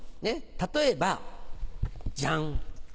例えばジャン。